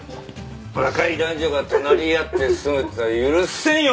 若い男女が隣り合って住むとは許せんよ！？